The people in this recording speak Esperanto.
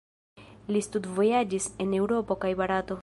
Li studvojaĝis en Eŭropo kaj Barato.